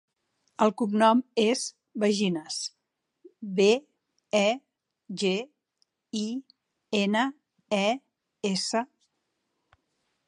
El cognom és Begines: be, e, ge, i, ena, e, essa.